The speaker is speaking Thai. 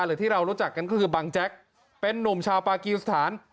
หรือที่เรารู้จักกันก็คือบังแจ๊กเป็นนุ่มชาวปากีสถาน